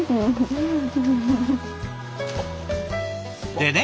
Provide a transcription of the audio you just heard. でね